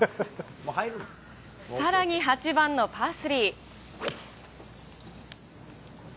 さらに８番のパー３。